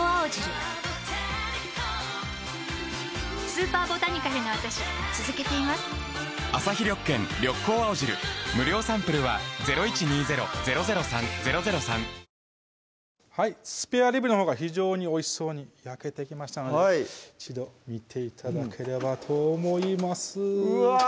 スペアリブのほうが非常においしそうに焼けてきましたので一度見て頂ければと思いますうわ！